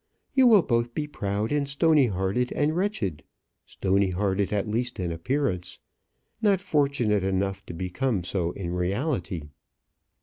You will both be proud, and stony hearted, and wretched stony hearted at least in appearance; not fortunate enough to become so in reality."